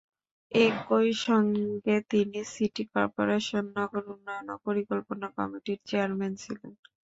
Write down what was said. একইসঙ্গে তিনি সিটি কর্পোরেশনের নগর উন্নয়ন ও পরিকল্পনা কমিটির চেয়ারম্যান ছিলেন।